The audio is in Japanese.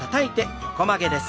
横曲げです。